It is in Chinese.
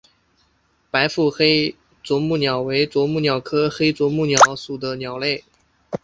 白腹黑啄木鸟为啄木鸟科黑啄木鸟属的鸟类。